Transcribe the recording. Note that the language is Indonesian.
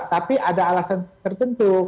tapi ada alasan tertentu